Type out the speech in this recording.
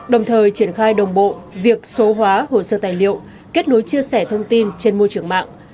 đồng thời triển khai đồng bộ việc số hóa hồ sơ tài liệu kết nối chia sẻ thông tin trên môi trường mạng